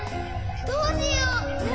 どうしよう。